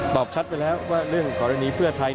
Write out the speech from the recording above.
ตอบชัดไปแล้วว่าเรื่องของเรื่องนี้เพื่อไทย